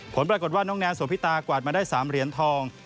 ผลปรากฏว่าน้องแนนโสพิตากวาดมาได้๓เหรียญทอง